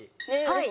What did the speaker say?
はい。